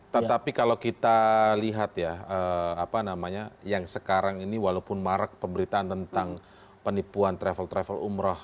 tetapi kalau kita lihat ya apa namanya yang sekarang ini walaupun marak pemberitaan tentang penipuan travel travel umroh